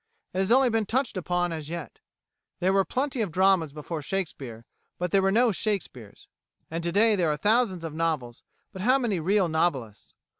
It has only been touched upon as yet. There were plenty of dramas before Shakespeare but there were no Shakespeares; and to day there are thousands of novels but how many real novelists?